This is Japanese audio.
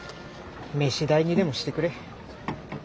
飯代にでもしてくれ。